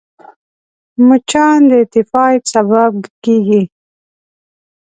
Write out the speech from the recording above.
مچان د تيفايد سبب کېږي